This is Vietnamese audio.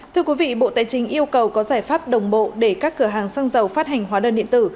thưa quý vị bộ tài chính yêu cầu có giải pháp đồng bộ để các cửa hàng xăng dầu phát hành hóa đơn điện tử